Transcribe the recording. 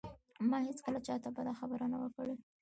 ما هېڅکله چاته بده خبره نه وه کړې